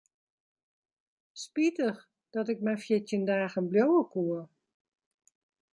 Spitich dat ik mar fjirtjin dagen bliuwe koe.